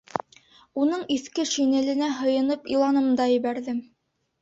Уның иҫке шинеленә һыйынып иланым да ебәрҙем.